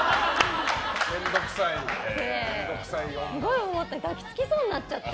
すごい思って抱き付きそうになっちゃって。